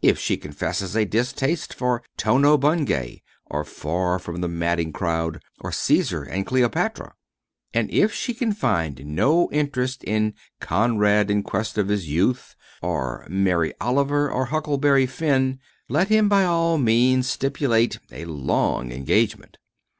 if she confesses a distaste for Tono Bungay, or Far from the Madding Crowd, or Cæsar and Cleopatra. And if she can find no interest in Conrad in Quest of His Youth, or Mary Olivier or Huckleberry Finn, let him by all means stipulate a long engagement.